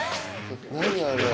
何あれ。